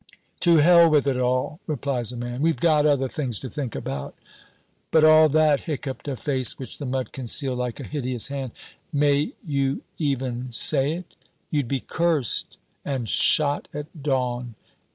"To hell with it all," replies a man, "we've got other things to think about." "But all that," hiccupped a face which the mud concealed like a hideous hand, "may you even say it? You'd be cursed, and 'shot at dawn'!